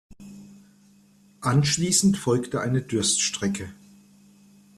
Anschließend folgte eine Durststrecke.